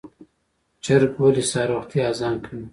چرګ ولې سهار وختي اذان کوي؟